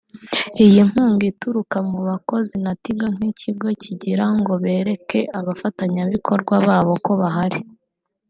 Iyi nkunga ituruka mu bakozi na Tigo nk’ikigo kugira ngo bereke abafatanyabikorwa babo ko bahari